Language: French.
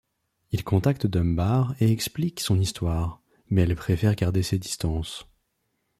Il contacte Dunbar et explique son histoire, mais elle préfère garder ses distances.